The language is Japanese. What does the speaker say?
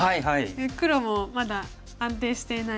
で黒もまだ安定していない。